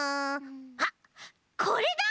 あっこれだ！